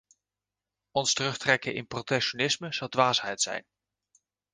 Ons terugtrekken in protectionisme zou dwaasheid zijn.